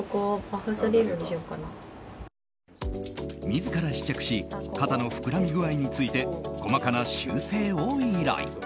自ら試着し肩の膨らみ具合について細かな修正を依頼。